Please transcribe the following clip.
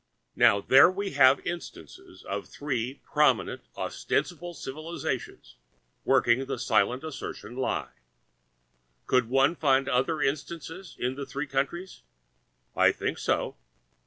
Now there we have instances of three prominent ostensible civilisations working the silent assertion lie. Could one find other instances in the three countries? I think so.